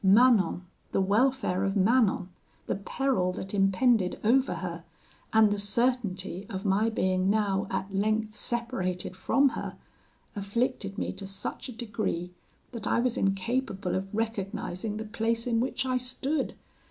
Manon, the welfare of Manon, the peril that impended over her, and the certainty of my being now at length separated from her, afflicted me to such a degree, that I was incapable of recognising the place in which I stood.